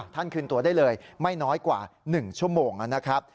คืนตัวได้เลยไม่น้อยกว่า๑ชั่วโมงนะครับ